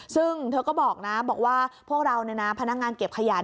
ซึ่งเธอก็บอกนะบอกว่าพวกเราพนักงานเก็บขยะ